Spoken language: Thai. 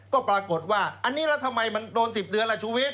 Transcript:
ก็ปรากฏว่าอันนี้แล้วทำไมมันโดน๑๐เดือนล่ะชูวิทย